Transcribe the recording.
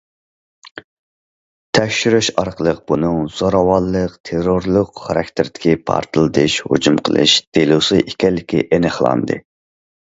تەكشۈرۈش ئارقىلىق، بۇنىڭ زوراۋانلىق، تېررورلۇق خاراكتېرىدىكى پارتلىتىش، ھۇجۇم قىلىش دېلوسى ئىكەنلىكى ئېنىقلاندى.